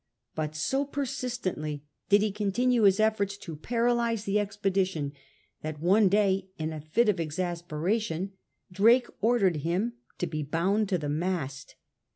But so persistently did he continue his efforts to paralyse the expedition, that one day in a fit of exasperation Drake . ordered him to be bound to the mast.